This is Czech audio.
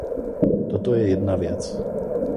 Toto je jedna věc.